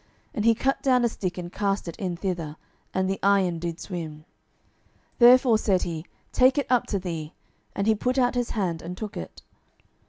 And he cut down a stick, and cast it in thither; and the iron did swim. 12:006:007 Therefore said he, Take it up to thee. And he put out his hand, and took it.